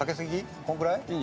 これくらい？